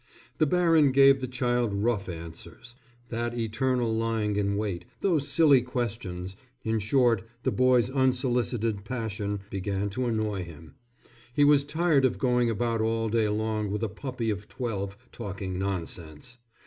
The baron gave the child rough answers. That eternal lying in wait, those silly questions in short, the boy's unsolicited passion began to annoy him. He was tired of going about all day long with a puppy of twelve, talking nonsense.